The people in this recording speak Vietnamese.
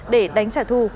để đánh trả thù